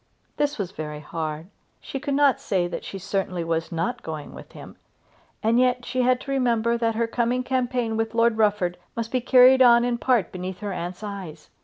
This was very hard. She could not say that she certainly was not going with him. And yet she had to remember that her coming campaign with Lord Rufford must be carried on in part beneath her aunt's eyes.